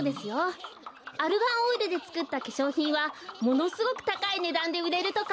アルガンオイルでつくったけしょうひんはものすごくたかいねだんでうれるとか。